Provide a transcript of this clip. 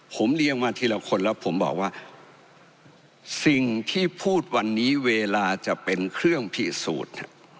ผมเรียงมาทีละคนแล้วผมบอกว่าสิ่งที่พูดวันนี้เวลาจะเป็นเครื่องพิสูจน์